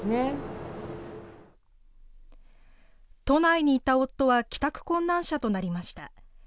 都内にいた夫は帰宅困難者となりました。